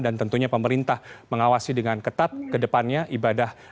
dan tentunya pemerintah mengawasi dengan ketat ke depannya ibadah